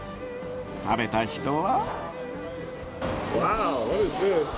食べた人は。